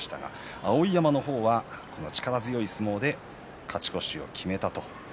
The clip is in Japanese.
碧山の方は力強い相撲で勝ち越しを決めました。